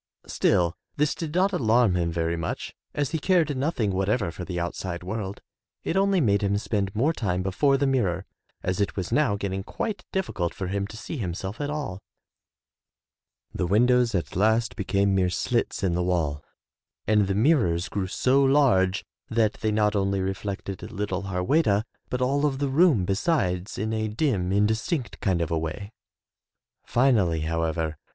Still, this did not alarm him very much as he cared nothing whatever for the outside world. It only made him spend more time before the mirror, as it was now getting quite difficult for him to see himself at all. The 39 M Y BOOK HOUSE windows at last became mere slits in the wall and the mirrors grew so large that they not only reflected little Harweda but all of the room besides in a dim, indistinct kind of a way. Finally, however.